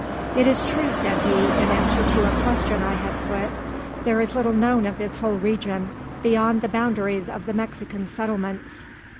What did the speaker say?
"It is true," said he, in answer to a question I had put, "there is little known of this whole region, beyond the boundaries of the Mexican settlements.